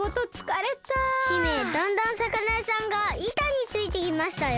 姫だんだんさかなやさんがいたについてきましたよ。